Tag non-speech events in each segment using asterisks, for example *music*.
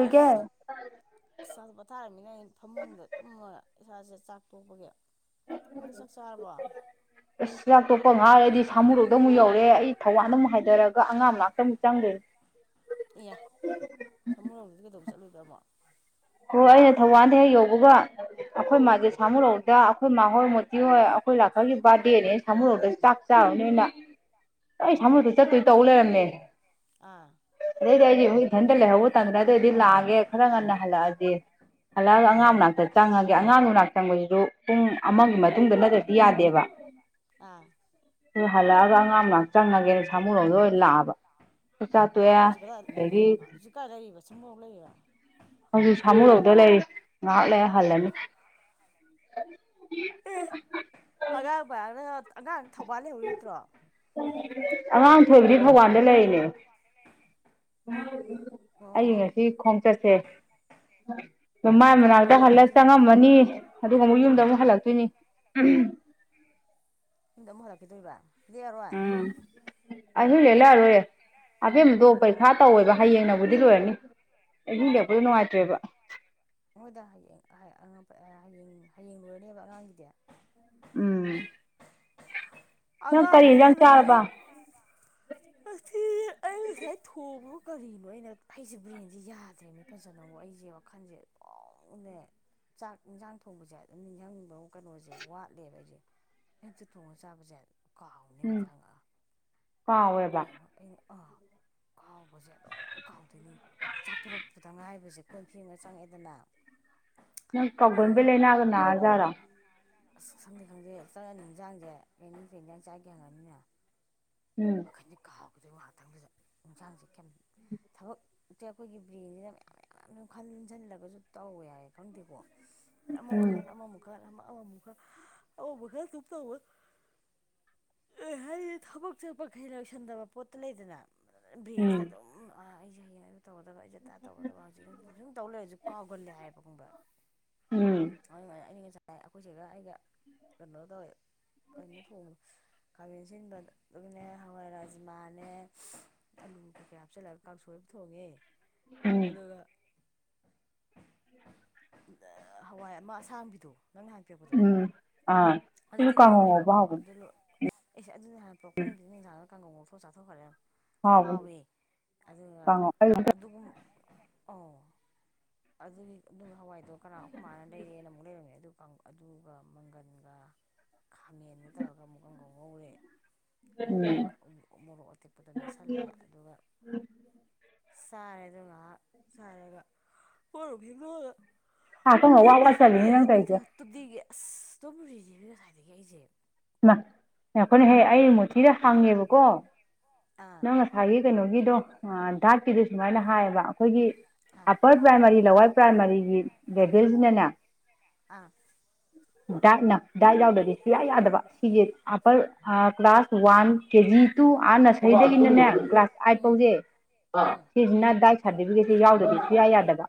ꯑꯁ ꯑꯁꯨ ꯄꯊꯥꯔꯃꯤꯅ ꯑꯩꯅ ꯐꯃꯨꯡꯗ ꯇꯨꯝꯃ ꯏꯁꯥꯁꯦ ꯆꯥꯛ ꯇꯣꯛꯄꯒꯤ *unintelligible* ꯑꯁ ꯆꯥꯛꯇꫭꯛꯇ ꯉꯥꯏ ꯑꯗꯤ ꯁꯥꯃꯨꯔꯣꯛꯗ ꯑꯃꯨꯛ ꯌꯧꯔꯦ ꯑꯩ ꯊꯋꯥꯟꯗ ꯑꯃꯨꯛ ꯍꯥꯏꯊꯔꯛ ꯑꯉꯥꯡ ꯃꯥꯅꯛꯇ ꯑꯃꯨꯛ ꯆꯪꯗꫭꯏꯅꯤ ꯆꯠꯂꯨꯏꯕ ꯑꯃꯨꯛ ꯍꯣ ꯑꯩꯅ ꯊꯧꯕꯥꯜꯗ ꯍꯦꯛ ꯌꯧꯕꯒ ꯑꯩꯈꯣꯏ ꯃꯥꯁꯦ ꯁꯥꯃ ꯂꯧꯗ ꯑꯩꯈꯣꯏ ꯃꯥ ꯍꯣꯏ ꯃꯣꯇꯤ ꯍꯣꯏ ꯑꯩꯈꯣꯏ ꯂꯥꯛꯈꯒꯤ ꯕꯥ ꯗꯦꯅꯦ ꯁꯥꯃꯨꯔꯣꯛꯇ ꯆꯥꯛ ꯆꯥꯔꯨꯅꯤꯅ ꯑꯩ ꯁꯥꯃꯨꯔꯣꯛꯇ ꯆꯠꯇꯣꯏ ꯇꯧ ꯂꯩꯔꯝꯃꯦ ꯑꯗꯩꯗꯤ ꯑꯩꯗꯤ ꯍꯧꯖꯤꯛ ꯏꯊꯟꯇ ꯂꯩꯍꯧꯕ ꯇꯥꯟꯗꯅ ꯑꯗꯨꯗꯩꯗꯤ ꯂꯥꯛꯑꯒꯦ ꯈꯔ ꯉꯟꯅ ꯍꯜꯂꯛꯑ ꯍꯜꯂꯛꯑꯒ ꯑꯉꯥꯡ ꯃꯅꯥꯛꯇ ꯆꯪꯉꯒꯦ ꯑꯉꯥꯡ ꯃꯅꯥꯛ ꯆꯪꯕꯁꯤꯁꯨ ꯄꯨꯡ ꯑꯃꯒꯤ ꯃꯇꯨꯡꯗ ꯅꯠꯇ꯭ꯔ ꯌꯥꯗꯦꯕ ꯍꯂꯑꯒ ꯑꯉꯥꯡ ꯃꯅꯥꯛꯇ ꯆꯪꯉꯒꯦꯅ ꯁꯥꯃꯨꯣꯝꯗ ꯑꯣꯢꯅ ꯂꯥꯛꯑꯕ ꯆꯥꯛꯆꯥ ꯇꯣꯛꯑꯦ ꯑꯗꯒꯤ ꯎ ꯍꯧꯖꯤꯛ ꯁꯥꯃꯨꯨꯔꯧꯗ ꯂꯩꯔꯤ ꯉꯥꯏꯍꯥꯛ ꯂꯩ ꯍꯜꯂꯅꯤ ꯑꯦ ꯑꯒꯥꯡꯔ ꯑꯉꯥꯡ ꯊꯧꯕꯥꯜ ꯂꯩꯍꯧꯔꯤ ꯅꯠꯇ꯭ꯔꯣ ꯁꯈꯣꯏꯕꯨꯗꯤ ꯊꯧꯕꯥꯜꯗ ꯂꯩꯔꯤꯅꯦ ꯑꯩꯒꯤ ꯉꯁꯤ ꯈꯣꯡꯆꯠꯁꯦ ꯃꯥꯏ ꯃꯅꯥꯛꯇ ꯍꯜꯂ ꯆꯪꯉꯝꯃꯅꯤ ꯑꯗꯨꯒ ꯑꯃꯨꯛ ꯌꯨꯝꯗ ꯑꯃꯨꯛ ꯍꯜꯂꯛꯇꯣꯏꯅꯤ ꯎꯝ ꯌꯨꯝꯗ ꯑꯃꯨꯛ ꯍꯂꯛꯈꯤꯗꯣꯏꯕ ꯂꯦꯛꯑꯔꯣꯏ ꯑꯍꯤꯡ ꯂꯦꯛꯂꯛꯑꯔꯣꯢꯋꯦ ꯍꯥꯕꯦꯝꯃꯗꯣ ꯄꯩꯈꯥ ꯇꯧꯋꯦꯕ ꯍꯌꯦꯡꯅꯕꯨꯗꯤ ꯂꯣꯏꯔꯅꯤ ꯑꯍꯤꯡ ꯂꯦꯛꯄꯗꯣ ꯅꯨꯡꯉꯥꯢꯇ꯭ꯔꯦꯕ ꯃꯣꯏꯗ ꯍꯌꯦꯡ ꯍꯌꯦꯡ ꯍꯌꯦꯡꯡꯂꯣꯢꯔꯅꯦꯕ ꯑꯉꯥꯡꯒꯤꯗꯤ ꯎꯝ ꯑꯉꯥꯡꯒꯤꯗꯅ ꯉ ꯑꯩ ꯉꯁꯥꯏ ꯊꯣꯡꯕ ꯀꯔꯤꯅꯣ ꯑꯩꯅ ꯑꯩꯁꯦ ꯕ꯭ꯔꯦꯟꯁꯦ ꯌꯥꯗ꯭ꯔꯦꯅꯦ ꯐꯖꯅ ꯑꯃꯨꯛ ꯑꯩꯁꯦ ꯋꯥꯈꯜꯁꯦ ꯑꯗꯨꯝꯅꯦ ꯆꯥꯛ ꯏꯟꯖꯥꯡ ꯊꯣꯡꯕꯁꯦ ꯑꯗꯨꯝ ꯅꯤꯡꯁꯤꯡꯕ ꯀꯩꯅꯣꯁꯦ ꯋꯥꯠꯂꯦꯕ ꯑꯩꯁꯦ ꯑꯨꯛꯇ ꯊꯣꯡꯉꯒ ꯆꯥꯕꯁꯦ ꯀꯥꯎꯅꯦꯕ ꯇ ꯑꯥ ꯀꯥꯎꯕꯁꯦ ꯑꯗꯨꯝ ꯀꯥꯎꯗꯣꯏꯅꯤ ꯆꯥꯛꯊꯣꯔꯛꯄꯗ ꯉꯥꯏꯕꯁꯦ ꯀꯣꯏ ꯐꯦꯡꯉ ꯆꯪꯉꯦꯗꯅ ꯅꯪ ꯀꯒꯟꯕ ꯂꯩꯅꯥꯒ ꯅꯔꯖꯥꯠꯂꯣ ꯑꯁ ꯈꯪꯗꯦ ꯈꯪꯗꯦ ꯆꯪꯉꯅꯤ ꯌꯦꯟꯁꯥꯡꯁꯦ ꯀꯩꯖꯥꯡ ꯆꯥꯒꯦ ꯍꯉꯑꯅꯤꯗꯅ ꯈꯟꯗꯤ ꯀꯥ ꯍꯧꯖꯤꯛ ꯉꯥꯛꯊꯪꯁꯤꯗ ꯌꯦꯟꯁꯥꯡꯁꯦ ꯀꯩ ꯊꯕꯁꯦ ꯑꯩꯈꯣꯏꯒꯤ ꯕ꯭ꯔꯦꯟꯁꯤꯅ ꯃꯌꯥꯝ ꯃꯌꯥꯝ ꯃ ꯑꯗꯨ ꯈꯟꯁꯜꯂꯒꯁꯨ ꯇꯧ ꯌꯥꯏ ꯈꯪꯗꯦꯀꯣ ꯑꯃꯃꯨꯛ ꯈꯟ ꯑꯃꯃꯨꯛ ꯈꯟ ꯑꯃ ꯑꯋꯥꯕ ꯈꯔ ꯇꯨꯞ ꯇꯧꯕ ꯑꯦ ꯍꯥꯏꯁꯦ ꯊꯕꯛ ꯑꯆꯞꯄꯈꯩ ꯂꯣꯏꯁꯟꯗꯕ ꯄꯣꯠꯇ ꯂꯩꯗꯅ ꯕ꯭ꯔꯦꯟꯖꯤꯗ ꯑꯗꯨꯝ ꯑꯩꯖꯦ ꯍꯌꯦꯡ ꯑꯌꯨ ꯇꯧꯒꯗꯕ ꯏꯖꯠꯇꯥ ꯇꯧꯒꯗꯕ ꯍꯧꯖꯤꯛ ꯁꯨꯝ ꯇꯧ ꯂꯩꯔꯁꯨ ꯀꯥꯎꯒꯜꯂꯦ ꯍꯥꯏꯕꯒꯨꯝꯕ ꯑꯗꯨꯃꯥꯏꯅ ꯑꯩ ꯉ ꯌꯥ ꯑꯩꯈꯣꯏꯁꯤꯒ ꯑꯩꯒ ꯀꯩꯅꯣ ꯇꯧꯋꯦꯕ ꯑꯩꯅ ꯊꯣꯡꯉ ꯀꯥꯕꯦꯟꯁꯤꯡꯗ ꯑꯗꯨꯅꯦ ꯍꯋꯥꯏ ꯔꯥꯖꯃꯥꯅꯦ ꯑꯂꯨ ꯀꯩꯀꯩ ꯍꯥꯞꯆꯤꯜꯂꯒ ꯀꯥꯡꯁꯣꯏ ꯑꯃ ꯊꯣꯡꯉꯦ ꯑꯗꯨꯒ ꯍꯋꯥꯏ ꯑꯃ ꯑꯁꯥꯡꯕꯤꯗꯣ ꯅꯪꯅ ꯍꯥꯟ ꯄꯤꯛꯄꯗꯣ ꯑꯗꯨꯗꯤ ꯂꯣꯏꯈ꯭ꯔꯦꯕꯀꯣ ꯑꯗꯨ ꯑꯗꯨꯅꯥꯟ ꯄꯣꯛꯄꯅꯤ ꯑꯗꯨ ꯀꯥꯡꯒꯨꯝ ꯃꯣ꯭ꯔꯥꯎꯥꯠꯇꯣꯈꯔꯦ ꯍꯥꯎꯋꯤ ꯑꯗꯨꯒ ꯑꯗꯨꯒꯨꯝ ꯑꯣ ꯑꯗꯨꯗꯤ ꯑꯗꯨꯝ ꯍꯋꯥꯏ ꯑꯗꯣ ꯀꯅꯥ ꯑꯩꯈꯣꯏ ꯃꯥꯟꯅ ꯂꯩꯌꯦꯅ ꯑꯃꯨꯛ ꯂꯩꯔꯝꯃꯦ ꯑꯗꯨ ꯑꯗꯨꯒ ꯃꯪꯒꯟꯒ ꯈꯥꯃꯦꯟꯟꯅ ꯇꯧꯔꯒ ꯑꯃꯨꯛꯀꯪꯒꯧ ꯉꯧꯔꯦ ꯃꯣꯛ ꯃꯣꯔꯣꯛ ꯑꯇꯦꯛꯄꯗ ꯃꯦꯠꯁꯤꯜꯂꯦ ꯑꯗꯨꯒ ꯁꯥꯔꯦ ꯑꯗꯨ ꯉ ꯁꯥꯔꯒ ꯄꯔꯣꯕꯤꯕꯨ ꯑ ꯀꯪ ꯍ ꯋꯥ ꯋꯥ ꯆ ꯅꯪ ꯇ ꯍꯥꯏ ꯀ ꯑꯁ ꯇꯣꯃꯨꯔꯤꯁꯦ ꯉꯁꯥꯏꯗꯒꯤ ꯑꯩꯁꯦ ꯑꯩꯈꯣꯏꯅ ꯍꯦꯛ ꯑꯩ ꯃꯣꯔꯊꯤꯗ ꯍꯥꯡꯉꯦꯕꯀꯣ ꯅꯪ ꯉ ꯊ ꯀꯩꯅꯣꯒꯤꯗꯣ ꯙꯥꯛꯀꯤꯗꯣ ꯁꯨꯃꯥꯏꯅ ꯍꯥꯏꯌꯦꯕ ꯑꯩꯈꯣꯏꯒꯤ ꯑꯞꯄꯔ ꯄ꯭ꯔꯥꯏꯃꯥꯔꯤ ꯂꯋꯥꯔ ꯄ꯭ꯔꯥꯏꯃꯥꯔꯤꯒꯤ ꯂꯦꯚꯦꯜꯁꯤꯅꯅꯦ ꯗꯥꯏ ꯅ ꯗꯥꯏ ꯌꯥꯎꯗꯗꯤ ꯁꯤꯌꯥ ꯌꯥꯗꯕ ꯁꯤꯁꯦ upper class one KG two ꯑ ꯅꯁꯔꯤꯗꯒꯤꯅꯅꯦ ꯀ꯭ꯂꯥꯁ ꯑꯥꯏꯠ ꯐꯧꯁꯦ ꯁꯤꯁꯤꯅ ꯗꯥꯏꯠ ꯁꯥꯔꯇꯤꯐꯤꯀꯦꯠꯁꯦ ꯌꯥꯎꯗ꯭ꯔꯗꯤ ꯁꯨꯌꯥ ꯌꯥꯗꯕ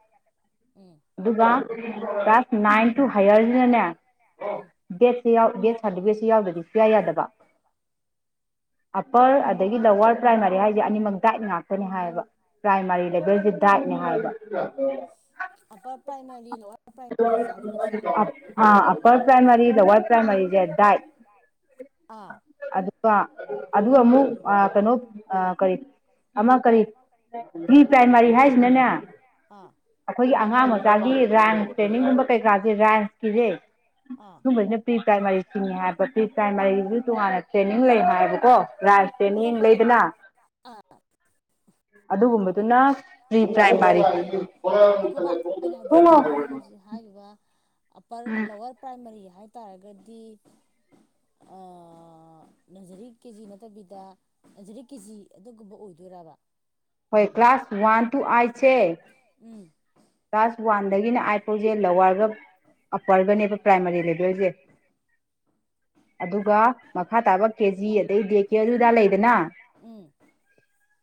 ꯑꯗꯨꯒ ꯀ꯭ꯂꯥꯁ ꯅꯅꯥꯏꯟ ꯇꯨ ꯍꯥꯏꯔ ꯁꯐꯦ ꯨꯌꯥ ꯌꯥꯗꯕ ꯑꯞꯄꯔ ꯑꯗꯒꯤ ꯂꯋꯥꯔ ꯄ꯭ꯔꯥꯏꯃꯥꯔꯤ ꯍꯥꯏꯁꯦ ꯑꯅꯤꯃꯛ ꯗꯥꯏꯠ ꯉꯥꯛꯇꯅꯤ ꯍꯥꯏꯌꯦꯕ ꯄ꯭ꯔꯥꯏꯃꯥꯔꯤ ꯂꯦꯚꯦꯜꯁꯦ ꯗꯥꯏꯠꯅꯦ ꯍꯥꯏꯌꯦꯕ ꯍꯥ ꯑꯞꯄꯔ꯭ꯔꯥꯏꯃꯔꯤ ꯂꯣꯋꯔ ꯄꯥꯏꯃꯔꯤ ꯦꯗꯥꯏ ꯑ ꯀꯣ ꯑꯗꯨ ꯑꯃꯨꯛ ꯀꯩꯅꯣ ꯀꯔꯤ ꯑꯃ ꯀꯔꯤ ꯄ꯭ꯔꯤ ꯄ꯭ꯔꯥꯏꯃꯥꯔꯤ ꯍꯥꯏꯁꯤꯅꯅꯦ ꯑꯩꯈꯣꯏꯒꯤ ꯑꯉꯥꯡ ꯒꯤ ꯔꯦꯟꯁ ꯇ꯭ꯔꯦꯅꯤꯡꯒꯨꯝꯕ ꯀꯩꯀꯥꯁꯦ ꯔꯦꯟꯁꯀꯤꯁꯦ ꯁꯒꯨꯝꯕꯁꯤꯅ ꯄ꯭ꯔꯤ ꯄ꯭ꯔꯥꯏꯃꯥꯔꯤ ꯆꯤꯡꯉ ꯍꯥꯏꯕ ꯄ ꯄ꯭ꯔꯥꯏꯃꯥꯔꯤꯒꯤꯁꯨ ꯇꯣꯉꯥꯟꯅ ꯇ꯭ꯔꯦꯅꯤꯡ ꯂꯩ ꯍꯥꯏꯕꯀꯣ ꯔꯥꯏꯁ ꯇ꯭ꯔꯦꯅꯤꯡ ꯂꯩꯗꯅ ꯑꯗꯨꯒꯨꯝꯕꯗꯨꯅ ꯄ꯭ꯔꯤ ꯄ꯭ꯔꯥꯏꯃꯥꯔꯤ ꯍꯥꯏꯗꯤꯅꯦ ꯅꯪꯅ ꯍꯧꯖꯤꯛ ꯍꯥꯏꯔꯤꯕ ꯑꯞꯄꯔ ꯂꯣꯋꯔ ꯄ꯭ꯔꯥꯏꯃꯔꯤ ꯍꯥꯏ ꯇꯥꯔꯒꯗꯤ ꯅꯟꯖꯔꯤ ꯀꯦꯖꯤ ꯅꯠꯇꯕꯤꯗ ꯅꯟꯖꯔꯤ ꯀꯦ ꯖꯤ ꯑꯗꯨꯒꯨꯝꯕ ꯑꯣꯏꯗꯣꯏꯔꯕ ꯍꯣꯏ ꯀ ꯀ꯭ꯂꯥꯁ ꯋꯥꯟ ꯇꯨ ꯑꯥꯏꯁ ꯀ꯭ꯂꯥꯁ ꯋꯥꯟꯗꯒꯤꯅ ꯑꯥꯏꯐꯥꯎꯁꯦ ꯂꯋꯥꯔꯒ ꯑꯞꯄꯔꯒꯅꯦꯕ ꯄ꯭ꯔꯥꯏꯃꯥꯔꯤ ꯂꯦꯚꯦꯜꯁꯦ ꯑꯗꯨꯒ ꯃꯈꯥ ꯇꯥꯕ ꯀꯦꯖꯤ ꯑꯗꯩ ꯗꯦ ꯀꯦ ꯑꯗꯨꯗꯥ ꯂꯩꯗꯅ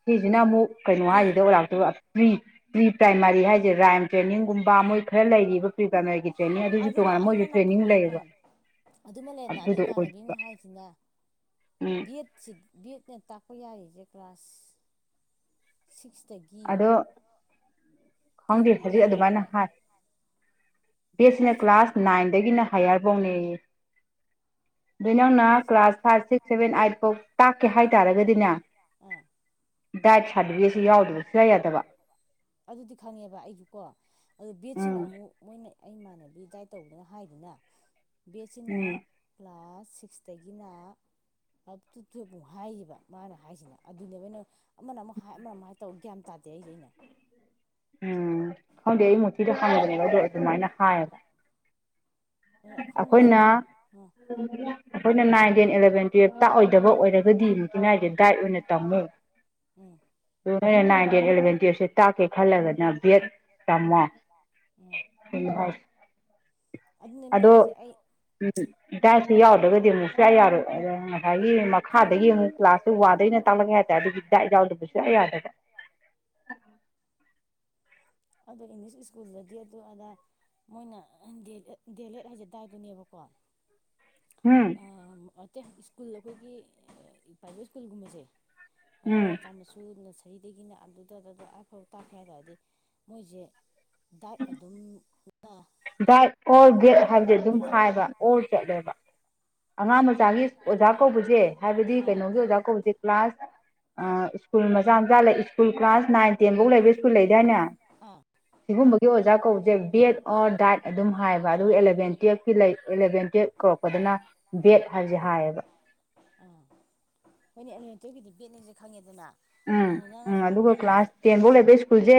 ꯍꯁꯤꯅ ꯑꯃꯨꯛ ꯀꯩꯅꯣ ꯍꯥꯏꯁꯤꯗ ꯑꯣ ꯂꯥꯛꯇꯨ ꯐ꯭ꯔꯤ ꯄꯔꯤ ꯄ꯭ꯔꯥꯏꯃꯔꯤ ꯍꯥꯏ ꯔꯥꯏꯝ ꯇ꯭ꯔꯦꯅꯤꯡꯒꯨꯝꯕ ꯃꯣꯏ ꯑꯗꯨꯒ ꯑꯩꯅ ꯅꯍꯥꯟ ꯑ ꯑꯗꯨꯃ ꯂꯩꯅ ꯑꯗꯨ ꯏꯃꯥꯟꯅꯕꯤꯅ ꯍꯥꯏꯁꯤꯅꯦ ꯕꯠꯁꯤ ꯕꯦꯠꯅꯦ ꯇꯥꯛꯄ ꯌꯥꯔꯤꯁꯦ ꯀ꯭ꯂꯥꯁ ꯁꯤꯛꯁ ꯒꯤ ꯎꯝ ꯈꯪꯗꯦ ꯍꯧꯖꯤꯛ ꯑꯗꯨꯃꯥꯏꯅ ꯍꯥꯏ ꯕꯦꯠꯁꯤꯅ ꯀ꯭ꯂꯥꯁ ꯅꯥꯏꯟꯗꯒꯤꯅ ꯍꯥꯏꯌꯥꯔꯐꯧꯅꯦꯩꯌꯦ *unintelligible* ꯑꯗꯨꯣꯏ ꯅꯪꯅ class five six seven eight ꯐꯧ ꯇꯥꯛꯀꯦ ꯍꯥꯏꯇꯥꯥꯔꯒꯗꯤꯅꯦ ꯗꯥꯏꯠ ꯁꯥꯔꯇꯤꯐꯤꯀꯦꯠꯁꯤ ꯌꯥꯎꯗꯕꯁꯦ ꯑꯗꯨꯗꯤ ꯈꯪꯉꯦꯕ ꯑꯩꯁꯨ ꯀꯣ ꯑꯗꯨ ꯕꯦꯠꯁꯤꯅ ꯑꯃꯨꯛ ꯃꯣꯏꯅ ꯑꯩ ꯏꯃꯥꯟꯅꯕꯤ ꯗꯥꯏꯠ ꯇꯧꯕꯗꯅ ꯍꯥꯏꯗꯨꯅ ꯕꯤꯦꯆꯅ ꯄ꯭ꯂꯁ ꯁꯤꯗꯒꯤꯅ ꯑꯞ ꯇꯨ ꯇꯨꯌꯦꯜꯞꯃꯨꯛ ꯍꯥꯏꯔꯤꯕ ꯃꯥꯅ ꯍꯥꯏꯁꯤꯅ ꯑꯗꯨꯅꯦꯕꯅ ꯑꯃꯅ ꯑꯃ ꯍꯥꯏ ꯑꯃꯅꯃꯥꯏꯅ ꯇꯧꯒ ꯒ꯭ꯌꯥ ꯇꯗꯦ ꯑꯩ ꯂꯩꯩꯅ ꯎꯝ ꯈꯪꯗꯦ ꯑꯩ ꯃꯨꯔꯇꯤꯗꯣ ꯍꯪꯕꯅꯦꯕꯗꯣ ꯑꯗꯨꯃꯥꯏꯅ ꯍꯥꯏꯌꯦꯕ ꯑꯩꯈꯣꯏꯅ ꯑꯩꯈꯣꯏ ꯅꯥꯏꯟꯦꯟ ꯏꯂꯚꯦꯟ ꯇꯨꯌꯦꯜꯞ ꯇꯥꯛꯑꯣꯏꯗꯕ ꯑꯣꯏꯔꯒꯗꯤ ꯑꯃꯨꯛꯇꯤꯅꯥꯏꯁꯦ ꯗꯥꯏꯠ ꯑꯣꯏꯅ ꯇꯝꯃꯨ ꯑꯗꯨ ꯅꯣꯏꯅ ꯅꯥꯏꯟ ꯇꯦꯟ ꯑꯦꯂꯚꯦꯟ ꯇꯨꯌꯦꯞꯁꯦ ꯇꯥꯛꯀꯦ ꯈꯜꯂꯒꯅ ꯕꯦꯠ ꯇꯝꯃꯣ ꯑꯗꯣ ꯎꯝ ꯑꯗꯨ ꯌꯥꯎꯗ꯭ꯔꯒꯗꯤ ꯑꯃꯨꯛ ꯁꯨꯌꯥ ꯌꯥꯔꯣꯏ ꯑ ꯉꯁꯥꯏꯒꯤ ꯃꯈꯥꯗꯒꯤ ꯑꯃꯨꯛ ꯀ꯭ꯂꯥꯁꯇꯨ ꯋꯥꯗ ꯑꯣꯏꯅ ꯇꯥꯛꯂꯛꯀꯦ ꯍꯥꯏꯇꯥꯔꯦ ꯑꯗꯨꯒꯤ ꯗꯥꯏꯠ ꯌꯥꯎꯗꯕꯁꯨꯌꯥ ꯌꯥꯗꯕ ꯑꯗꯣ ꯏꯪꯂꯤꯁ ꯁ꯭ꯀꯨꯜꯗꯗꯤ ꯑꯗꯨ ꯑꯗꯥ ꯃꯣꯏꯅ ꯗꯦꯠ ꯑꯦꯠ ꯍꯥꯏꯖꯗꯥꯏꯗꯨꯅꯦꯕꯀꯣ ꯎꯝ ꯁ꯭ꯀꯨꯜ ꯑꯩꯈꯣꯏꯒꯤ ꯄ꯭ꯔꯥꯏꯕꯦꯠ ꯁ꯭ꯀꯨꯜꯒꯨꯝꯕꯁꯦ ꯑꯉꯥꯡ ꯃꯆꯥ ꯃꯁꯨꯨꯅ ꯁꯤꯗꯒꯤꯅ ꯑꯗꯨꯗ ꯑꯐꯥꯎ ꯇꯥꯛꯈꯦ ꯍꯥꯏ ꯇꯔꯗꯤ ꯃꯣꯏꯁꯦ ꯗꯥꯏꯠ ꯑꯗꯨꯝ ꯕꯥꯏꯠ ꯑꯣꯔ ꯒꯦꯠ ꯍꯥꯏꯕꯗꯤ ꯑꯗꯨꯝ ꯍꯥꯏꯕ ꯑꯣꯔ ꯆꯠꯂꯦꯕ ꯑꯉꯥꯡ ꯃꯆꯥꯒꯤ ꯑꯣꯖꯥ ꯀꯧꯕꯁꯦ ꯍꯥꯏꯕꯗꯤ ꯀꯩꯅꯣꯒꯤ ꯑꯣꯖꯥ ꯀꯧꯕꯁꯦ ꯀ꯭ꯂꯥꯁ ꯑ ꯏꯁ꯭ꯀꯨꯜ ꯃ ꯂꯩ ꯁ꯭ꯀꯨꯜ ꯀ꯭ꯂꯥꯁ ꯅꯥꯏꯟ ꯇꯦꯟꯐꯧ ꯂꯩꯕ ꯁ꯭ꯀꯨꯜ ꯂꯩꯗꯥ ꯍꯥꯏꯅ ꯁꯤꯒꯨꯝꯕꯒꯤ ꯑꯣꯖꯥ ꯀꯧ ꯠ ꯗꯥꯏꯠ ꯑꯗꯨꯝ ꯍꯥꯏꯌꯦꯕ ꯑꯗꯨꯒ ꯑꯦꯂꯚꯦꯟ ꯇꯨꯌꯦꯜꯞꯀꯤ ꯂꯩ ꯑꯦꯂꯚꯦꯟ ꯇꯨꯌꯦꯜꯞ ꯀꯧꯔꯛꯄꯗꯅ ꯕꯦꯠ ꯍꯥꯏꯕꯁꯦ ꯍꯥꯏꯌꯦꯕ ꯑ ꯅꯣꯏꯒꯤꯗꯤ ꯕꯦꯠꯅꯤꯁꯦ ꯈꯪꯉꯦꯗꯅ ꯎꯝ ꯎꯝ ꯑꯗꯨꯒ ꯀ꯭ꯂꯥꯁ ꯇꯦꯟ ꯐꯧ ꯂꯩꯕ ꯁ꯭ꯀꯨꯜꯁꯦ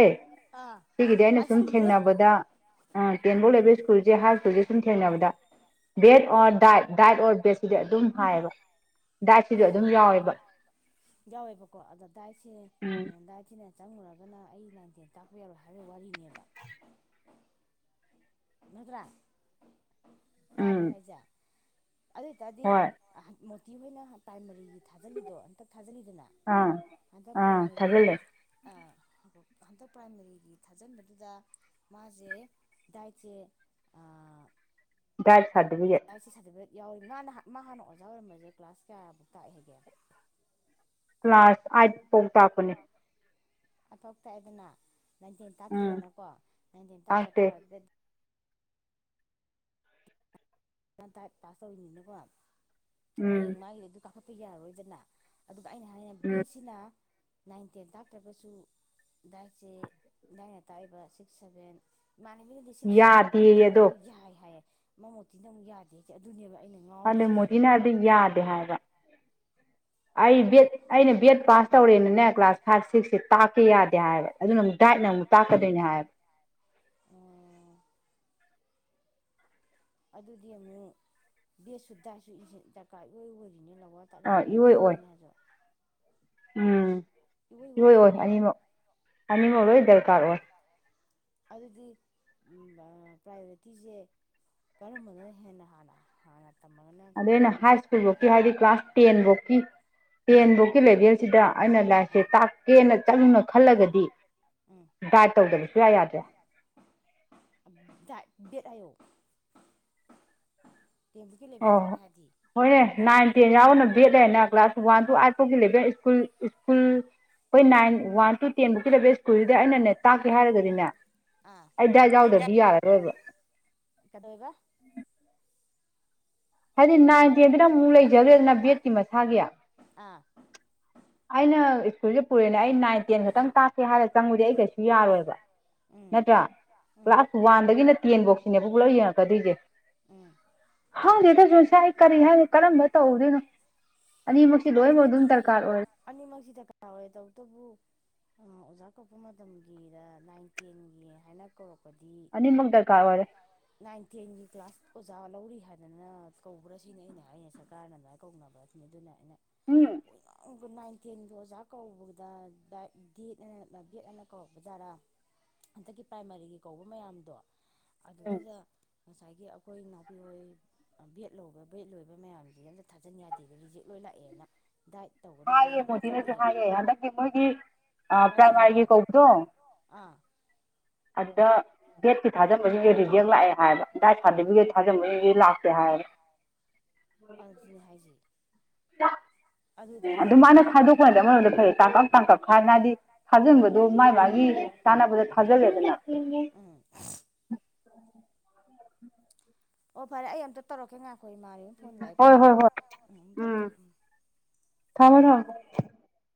ꯁꯤꯒꯤꯗꯤ ꯑꯩꯅ ꯁꯨꯝ ꯊꯦꯡꯅꯕꯗ ꯑ ꯇꯦꯟꯐꯧ ꯂꯩꯕ ꯁ꯭ꯀꯨꯜꯁꯦ ꯍꯥꯏ ꯁ꯭ꯀꯨꯜꯁꯦ ꯁꯨꯝ ꯊꯦꯡꯅꯕꯗ BEd or DEd DEd or ꯕꯦꯠꯁꯤꯗꯤ ꯑꯗꯨꯝ ꯍꯥꯏꯌꯦꯕ ꯗꯥꯏꯠ ꯁꯤꯗꯤ ꯑꯗꯨꯝ ꯌꯥꯎꯋꯦꯕ ꯌꯥꯋꯥ ꯑꯣꯏꯕꯀꯣ ꯑꯗ ꯇ ꯂ ꯑꯩꯅ ꯆꯪꯉꯨꯔꯒꯅ ꯑꯩ ꯅꯥꯏꯟ ꯇꯦꯟ ꯇꯥꯛꯄ ꯌꯥꯎꯔꯣꯏ ꯍꯥꯏꯕꯒꯤ ꯋꯥꯔꯤꯅꯦꯕ ꯅꯠꯇ꯭ꯔꯥ ꯇꯥꯕꯩ ꯍꯥꯏꯖ ꯑꯗꯨꯗ ꯇꯗꯤ ꯤ ꯍꯣꯏꯅ ꯄ꯭ꯔꯥꯏꯃꯔꯤꯒꯤ ꯊꯥꯖꯤꯜꯂꯤꯗꯣ ꯍꯟꯇꯛ ꯊꯥꯖꯤꯂꯤꯗꯅ ꯍꯟꯗꯛ ꯄ꯭ꯔꯥꯏꯃꯥꯔꯤꯒꯤ ꯍꯟꯇꯛ ꯄ꯭ꯔꯥꯏꯃꯥꯔꯤꯒꯤ ꯊꯥꯖꯤꯟꯕꯗꯨꯗ ꯃꯥꯁꯦ ꯗꯏꯆꯦ ꯏ ꯁꯗꯕꯤꯒ ꯌꯥꯎꯔꯤ ꯃꯥꯅ ꯃꯥ ꯍꯥꯟꯅ ꯑꯣꯖꯥ ꯑꯣꯏꯔꯝꯕꯁꯦ ꯀ꯭ꯂꯥꯁ ꯀꯌꯥꯃꯨꯛ ꯇꯥꯛꯏꯒꯦ ꯀ꯭ꯂꯥꯁ ꯑꯥꯏꯠ ꯐꯥꯎ ꯇꯥꯛꯄꯅꯦ ꯑꯊꯣ ꯇꯗꯅ ꯅꯥꯏꯟꯇꯦꯟ ꯇꯥꯛꯇꯗꯅꯀꯣ ꯅꯥꯏꯟꯇꯦꯟ ꯇꯥꯛꯇ꯭ꯔ ꯇꯥꯔꯒꯗꯤ ꯥꯟ ꯇꯥꯏꯠ ꯄꯥꯁ ꯇꯧꯔꯤꯅꯤꯅꯀꯣ ꯍ ꯃꯥ ꯑꯗꯨ ꯀ ꯌꯥꯔꯣꯏꯗꯅ ꯑꯩꯅ ꯍꯥꯏ ꯕꯦꯠꯁꯤꯅ ꯅꯥꯏꯟ ꯇꯦꯟ ꯇꯥꯛꯇ꯭ꯔꯒꯁꯨ ꯗꯥꯏꯛꯁꯦ ꯂꯗꯥꯥꯏꯅ ꯇꯥꯛꯏꯕ ꯁꯤꯛꯁ ꯁꯚꯦꯟ ꯃꯥꯟꯅꯕꯤꯗꯗꯤ six seven eight nine zero ꯌꯥꯏ ꯍꯥꯏꯌꯦ ꯃꯍ ꯗꯤ ꯅ ꯑꯃꯨꯛ ꯌꯥꯗꯦ ꯑꯗꯨꯅꯦꯕ ꯑꯗꯨꯗ ꯃꯣꯗꯤꯅꯗꯤ ꯌꯥꯗꯦ ꯍꯥꯏꯕ ꯑꯩ ꯕꯦꯠ ꯑꯩꯅ ꯕꯦꯠ ꯄꯥꯁ ꯇꯧꯔꯦꯅꯅꯦ ꯀ꯭ꯂꯥꯁ ꯐꯥꯏꯚ ꯁꯤꯛꯁꯁꯦ ꯇꯥꯛꯀꯦ ꯌꯥꯗꯦ ꯍꯥꯏꯕ ꯑꯗꯨꯅ ꯑꯃꯨꯛ ꯗꯥꯏꯠꯅ ꯑꯃꯨꯛ ꯇꯥꯛꯀꯗꯣꯏꯅꯦ ꯍꯥꯏꯕ ꯑꯣ ꯑꯗꯨꯗꯤ ꯑꯃꯨꯛ ꯕꯦꯗꯁꯨ ꯗꯥꯢꯗꯁꯨ ꯗꯔꯀꯥꯔ ꯏꯑꯣꯏ ꯑꯣꯏ ꯑꯥ ꯏꯔꯣꯏ ꯑꯣꯏ ꯎꯝ ꯏꯔꯣꯏ ꯑꯣꯏ ꯑꯅꯤꯃꯛ ꯑꯅꯤꯃꯛ ꯂꯣꯏ ꯗꯔꯀꯥꯔ ꯑꯣꯢ ꯑꯗꯨꯗꯤ ꯄ꯭ꯔꯥꯏꯌꯣꯔꯤꯇꯤꯁꯦ ꯀꯔꯝꯕꯅ ꯍꯦꯟꯅ ꯍꯥꯟꯅ ꯍꯥꯟꯅ ꯑꯗꯨꯗ ꯑꯩꯅ ꯍꯥꯏ ꯁ꯭ꯀꯨꯜꯐꯧꯀꯤ ꯍꯥꯏꯗꯤ ꯀ꯭ꯂꯥꯁ ꯇꯦꯟꯐꯧꯀꯤ ꯇꯦꯟꯐꯧꯀꯤ ꯂꯦꯚꯦꯜꯁꯤꯗ ꯑꯩꯅ ꯂꯥꯏꯔꯤꯛꯁꯦ ꯇꯥꯛꯀꯦꯅ ꯆꯠꯂꯨꯅ ꯈꯜꯂꯒꯗꯤ ꯗꯥꯏꯠ ꯇꯧꯗꯕ ꯁꯨꯛꯌꯥ ꯌꯥꯗꯦ ꯕꯦꯠ ꯍꯥꯢꯌꯣ ꯑꯣ ꯍꯣꯏꯅꯦ ꯅꯥꯏꯟ ꯇꯦꯟ ꯌꯥꯎꯕꯅ ꯚꯦꯠ ꯂꯩꯅ ꯀ꯭ꯂꯥꯁ ꯋꯥꯟ ꯇꯨ ꯑꯥꯏꯚ ꯐꯥꯎꯒꯤ ꯏꯂꯦꯚꯦꯟ ꯁꯀꯨꯜ ꯁ꯭ꯀꯨꯜ ꯑꯩꯈꯣꯏ ꯅꯥꯏꯟ ꯋꯥꯟ ꯇꯨ ꯇꯦꯟꯕꯨꯧꯛꯀꯤꯗꯕ ꯁ꯭ꯀꯨꯜꯗ ꯑꯩꯅꯅꯦ ꯇꯥꯛꯀꯦ ꯍꯥꯏꯔꯒꯗꯤꯅꯦ ꯑꯩꯗꯥꯏ ꯌꯥꯎꯗ꯭ꯔꯗꯤ ꯌꯥꯔꯔꯣꯏꯕ ꯀꯗꯧꯋꯦꯕ ꯍꯥꯏꯗꯤ ꯅꯥꯏꯟ ꯇꯦꯟꯗꯨꯅ ꯑꯃ ꯑꯃꯨꯛ ꯂꯩꯖꯔꯦꯗꯅ ꯕꯦꯠꯀꯤ ꯃꯁꯥꯒꯤ ꯑꯩꯅ ꯁ꯭ꯀꯨꯜꯁꯦ ꯄꯨꯔꯦꯅꯦ ꯑꯩ ꯅꯥꯏꯟ ꯇꯦꯟ ꯈꯛꯇꯪ ꯇꯥꯛꯀꯦ ꯍꯥꯏꯔꯒ ꯆꯪꯉꯨꯗꯤ ꯑꯩ ꯀꯩꯁꯨ ꯌꯥꯔꯣꯏꯕ ꯅꯠꯇ꯭ꯔꯥ ꯀ꯭ꯂꯥꯁ ꯋꯥꯟꯗꯒꯤꯅ ꯇꯦꯟꯐꯧꯁꯤꯅꯦꯕ ꯄꯨꯂꯞ ꯌꯦꯡꯉꯛꯀꯗꯣꯏꯁꯦ ꯍꯪꯗꯦ ꯑꯗꯨꯁꯨ ꯉ ꯀꯔꯤ ꯍꯥꯏꯅ ꯀꯔꯝꯕ ꯇꯧꯗꯣꯏꯅꯣ ꯑꯅꯤꯃꯛꯁꯤ ꯂꯣꯏꯅꯃꯛ ꯑꯗꯨꯝ ꯗꯔꯀꯥꯔ ꯑꯣꯏꯔꯦ ꯑꯅꯤꯃꯛꯁꯤ ꯗꯔ ꯀꯥ ꯑꯣꯏ ꯇꯧꯕꯇꯕꯨ ꯑꯣꯖꯥ ꯀꯛꯄ ꯃꯇꯝꯒꯤꯗ ꯅꯥꯏꯟ ꯇꯦꯟꯒꯤ ꯍꯥꯏꯅ ꯀꯧꯔꯛꯄ ꯗꯤ ꯅꯥꯏꯟ ꯇꯦꯟꯒꯤ ꯀ꯭ꯂꯥꯁ ꯑꯣꯖꯥ ꯂꯧꯔꯤ ꯍꯥꯏꯗꯅ ꯀꯧ ꯀ꯭ꯔ ꯁꯤꯅꯤ ꯑꯩꯅ ꯑꯩꯅ ꯁꯔꯀꯥꯔꯅ ꯑꯗꯨꯃꯥꯏꯅ ꯀꯧꯅꯕ ꯑꯁꯤꯅꯤ ꯑꯗꯨꯅ ꯑꯩꯅ ꯎꯝ ꯑꯗꯨꯒ ꯅꯥꯏꯟꯇꯦꯟꯗꯣ ꯑꯣꯖꯥ ꯀꯧꯕꯗ ꯦꯠ ꯑꯅ ꯀꯧꯕꯖꯥꯔꯥ ꯍꯟꯗꯛꯀꯤ ꯄ꯭ꯔꯥꯏꯃꯥꯔꯤꯒꯤ ꯀꯧꯕ ꯃꯌꯥꯝꯗꯣ ꯑꯗꯨꯗꯨꯗ ꯉꯁꯥꯏꯒꯤ ꯑꯩꯈꯣꯏ ꯏꯅꯥꯎꯄꯤ ꯍꯣꯏ ꯕꯦꯠ ꯂꯧꯕ ꯕꯦꯠ ꯂꯣꯏꯕ ꯃꯌꯥꯝꯁꯦ ꯑꯝꯇ ꯊꯥꯖꯤꯟ ꯌꯥꯗꯦꯗ ꯔꯤꯖꯦꯛ ꯂꯣꯏ ꯂꯥꯛꯑꯦꯅ ꯍꯥꯏꯌꯦ ꯃꯣꯗꯤꯅꯁꯨ ꯍꯥꯏꯌꯦ ꯍꯟꯗꯛꯀꯤ ꯃꯣꯏꯒꯤ ꯄ꯭ꯔꯥꯏꯃꯥꯔꯤꯒꯤ ꯀꯧꯕꯗꯣ ꯑꯗ ꯗꯦꯠꯀꯤ ꯊꯥꯖꯟꯕꯁꯤꯡꯁ ꯔꯤꯖꯦꯛ ꯂꯥꯛꯑꯦ ꯍꯥꯏꯕ ꯗꯥꯏꯠ ꯁꯥꯔꯇꯤꯐꯤꯀꯦꯠ ꯊꯥꯖꯟꯕꯁꯤꯡꯗꯤ ꯂꯥꯛꯀꯦ ꯍꯥꯏꯕ ꯑꯗꯨꯅꯤ ꯍꯥꯏꯖꯩ ꯑꯗꯨ ꯃꯥꯢꯅ ꯈꯥꯗꯣꯛꯄꯅꯠꯇꯕ ꯃꯔꯔꯣꯝꯗ ꯐꯩꯦ ꯇꯥꯡꯀꯛ ꯇꯥꯡꯀꯛ ꯈꯥꯏꯗꯅ ꯍꯥꯏꯗꯤ ꯊꯥꯖꯤꯟꯕꯗꯣ ꯃꯥꯏ ꯃꯥꯒꯤ ꯆꯥꯅꯕꯗ ꯊꯥꯖꯤꯜꯂꯦꯗꯅ ꯑꯣ ꯐꯔꯦ ꯑꯩ ꯑꯝꯇ ꯇꯧꯔꯛꯀꯦ ꯉꯥꯏ ꯑꯩꯈꯣꯏ ꯏ ꯃꯥꯔꯤ ꯐꯣꯟ ꯂꯥꯛꯑꯦꯀꯣ ꯑꯗꯨ ꯑꯗꯨꯝ ꯇꯧꯔꯛꯀꯦ ꯎꯝ *unintelligible*